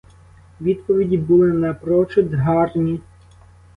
Відповіді були напрочуд гарні.